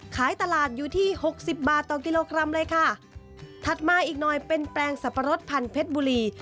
ขายตลาดอยู่ที่หกสิบบาทต่อกิโลกรัมเลยค่ะถัดมาอีกหน่อยเป็นแปลงสับปะรดพันธเพชรบุรี